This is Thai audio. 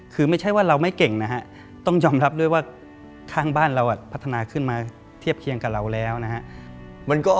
คือไม่ใช่ว่าเราไม่เก่งนะฮะต้องยอมรับด้วยว่าข้างบ้านเราพัฒนาขึ้นมาเทียบเคียงกับเราแล้วนะฮะ